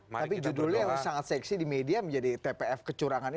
tapi judulnya yang sangat seksi di media menjadi tpf kecurangan ini